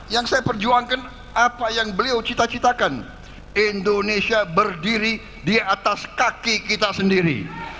yang saya perjuangkan apa yang beliau cita citakan indonesia berdiri di atas kaki kita sendiri